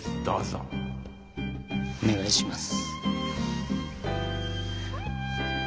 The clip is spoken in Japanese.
お願いします。